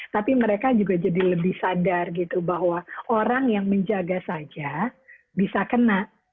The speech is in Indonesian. tapi mereka juga jadi lebih sadar gitu bahwa orang yang menjaga saja bisa kena